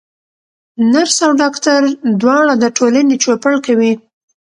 نرس او ډاکټر دواړه د ټولني چوپړ کوي.